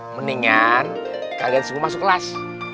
mendingan kalian semua masuk kelas